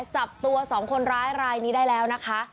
จับตัว๒คนร้ายรายนี้ได้แล้วนะคะ